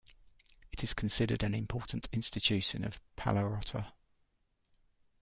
It is considered an important institution of Paleorrota.